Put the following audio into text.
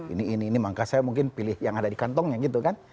ini ini maka saya mungkin pilih yang ada di kantongnya gitu kan